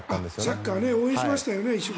サッカー応援しましたよね。